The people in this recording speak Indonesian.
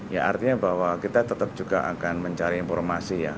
ya artinya bahwa kita tetap juga akan mencari informasi ya